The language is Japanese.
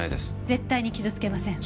絶対に傷つけません。